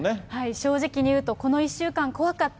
正直に言うと、この１週間怖かった。